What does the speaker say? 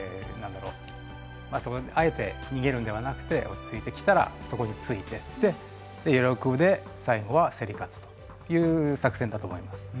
あえて逃げるのではなくて落ち着いてきたら、そこにきて余力で最後は競り勝つという作戦だと思います。